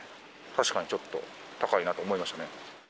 確かにちょっと、高いなと思いましたね。